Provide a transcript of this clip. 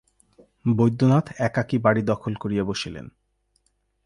বৈদ্যনাথ একাকী বাড়ি দখল করিয়া বসিলেন।